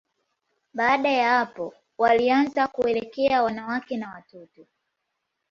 Baada ya hapo, walianza kuelekea wanawake na watoto.